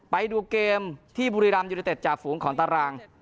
ไปดูเกมที่บุรีรัมยูนิเต็ดจากฝูงของตาราง